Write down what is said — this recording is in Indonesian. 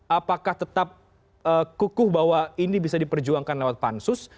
apakah tetap kukuh bahwa ini bisa diperjuangkan lewat pansus